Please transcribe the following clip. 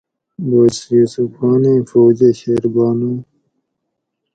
بس یوسف خانیں فوجہ شیربانو